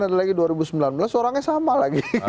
ada lagi dua ribu sembilan belas orangnya sama lagi